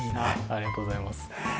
ありがとうございます。